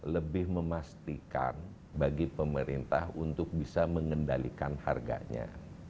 lebih memastikan bagi pemerintah untuk bisa mengendalikan harganya